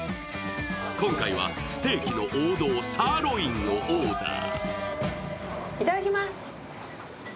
今回のステーキの王道サーロインをオーダー。